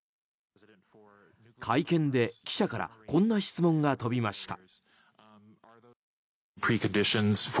会見で記者からこんな質問が飛びました。